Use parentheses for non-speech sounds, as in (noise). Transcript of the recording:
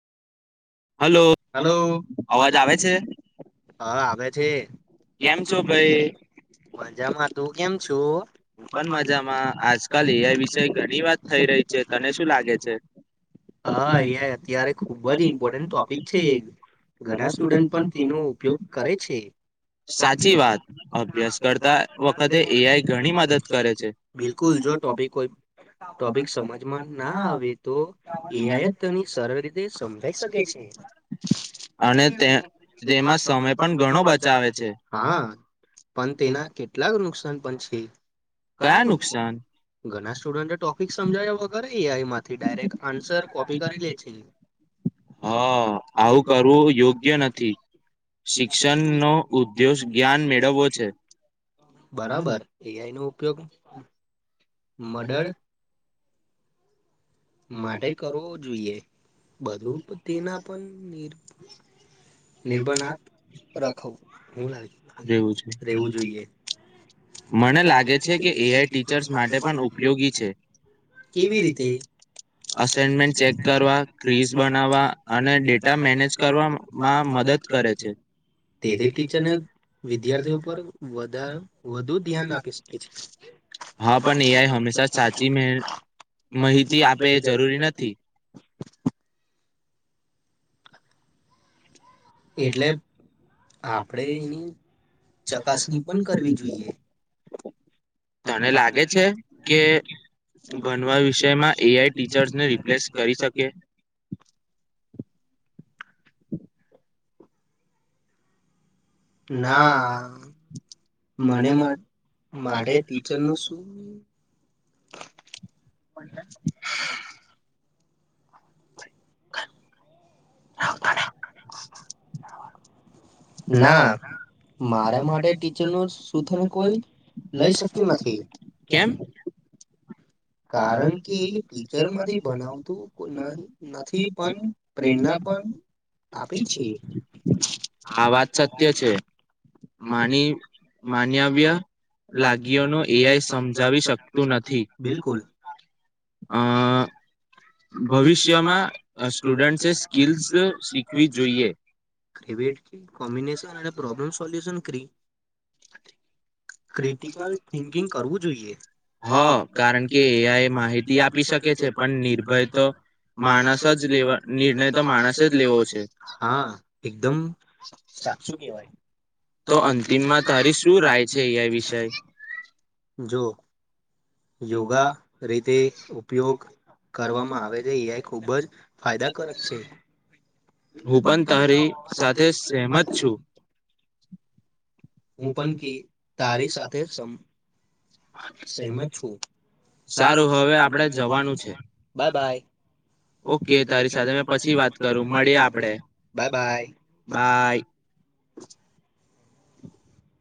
હાલો hello અવાજ આવે છે હા આવે છે. કેમ છો ભાઈ મજામાં તું કેમ છુ એ પણ મજામાં આજકાલ એ આઈ વિષ ઘણી વાત થઈ રહી છે તને શું લાગે છે હ એ અત્યારે ખુબ જ ઇમ ઈમ્પોર્ટન ટોપિક છે ઘણા સ્ટુડન્ટ પણ તેનો ઉપયોગ કરે છે સાચી વાત અભ્યાસ કરતા વખતે એ ઘણી મદદ બિલકુલ જો ટોપિક કો ટોપિક સમજમાં ના આવે તો એ એ આઈ તને સરળ રીતે સમજાઈ શકે અને તેમાં સમય પણ ઘણો બચાવે છે હા પણ તેના કેટલાક નુકસાન પણ છે કયા નુકસાન ઘણા સ્ટુડન્ટ ટોપિક સમજાવ્યા વગર એ આઈ માંથી ડાયરેક્ટ આન્સર કોપી કરી લે છે હા આવું કરવું યોગ્ય નથી શિક્ષણ નો ઉદેશ જ્ઞાન મેળવવો છે બરાબર એઆઈ નું ઉપયોગ મદદ માટે કરવો જોઈએ બધું તેના પણ નિર્ભનાખ હું લાગ રહેવું જોઈએ મને લાગે છે કે એ આઈ ટીચર્ માટે પણ ઉપયોગી છે કેવી રીતે અસયમેન્ટ ચેક કરવા તેથી ટીચરને વિદ્યાર્થી ઉપર વધાર તું ધ્યાન આપી શકે છે હા પણ એ હંમેશા સાચીને માહિતી આપે એ જરૂરી નથી એટલે આપણે ચકાસણી પણ કરવી જોઈ તને લાગે છે કે બનવા વિષયમાં એઆઈ ટીચર્સને રિપ્લેસ કરી શકે ના મને માટે ટીચરનું શું (unintelligible) (inaudible) ના મારા માટે ટીચર કોઈ લઈ શકત નથી કેમ કારણ કે ટીચર માંથી બનાવતું નહીં નથી પણ પ્રેરણા પણ આપે છે આ વાત સત્ય છેની માની માનવ્ય લાગ્યો ન એ સમજાવી શકતું નથી બિલકુલ સ્કૂલ ભવિષ્યમાં સ્ટુડ સ્કી શીખવી જોઈએ કોમ્બિનેશન અને પ્રોબ્લેમ સોલ્યુશન બકરી ક્રિટિકલ થિંકિંગ કરવું જોઈએ હ કારણ કે એ આઈ માહિતી આપી શકે છે પણ ભાઈ તો માણસ જ લેવા નિર્ણય તો માણસ જ લેવો છે હા એકદમ સાચું કેહેવાય તો અંતિમમાં તારી શું રાાય જો યોગા રીતે ઉપયોગ કરવામાં આવે છે એઆઈ ખૂબ બર ફાયદાકારક છે હું પણ તારી સાથે સહેમત છું હું પણ કે તારી સાથે છું સારું હવે આપણે જવાનું છે બાય બાય. ઓકે તારી સાથે મે પછી વાત કરું મળી આપડે બાય.